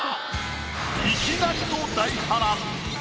いきなりの大波乱！